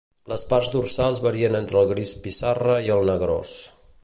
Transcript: Les parts dorsals varien entre el gris pissarra i el negrós.